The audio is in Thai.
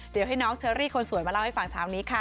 เดี๋ยวให้น้องเชอรี่คนสวยมาเล่าให้ฟังเช้านี้ค่ะ